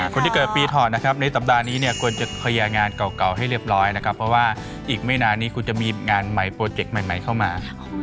คนที่เกิดปีถอดนะครับในสัปดาห์นี้เนี่ยควรจะเคลียร์งานเก่าให้เรียบร้อยนะครับเพราะว่าอีกไม่นานนี้คุณจะมีงานใหม่โปรเจกต์ใหม่เข้ามา